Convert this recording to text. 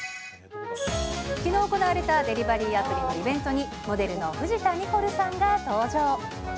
きのう行われたデリバリーアプリのイベントに、モデルの藤田ニコルさんが登場。